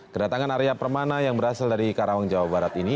kedatangan arya permana yang berasal dari karawang jawa barat ini